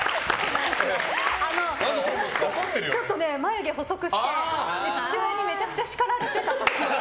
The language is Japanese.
ちょっと眉毛細くして父親にめちゃくちゃ叱られていた時の。